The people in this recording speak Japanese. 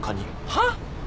はっ！？